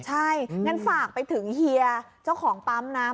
ใช่งั้นฝากไปถึงเฮียเจ้าของปั๊มนะ